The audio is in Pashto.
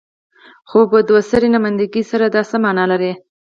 خو په دوه سري نمايندګۍ سره دا څه معنی لري؟